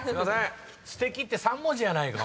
「すてき」って３文字やないか。